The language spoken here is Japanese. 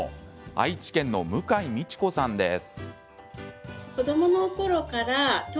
愛知県の向井理子さんです。